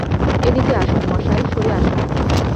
এদিকে আসুন মশায়, সরে আসুন।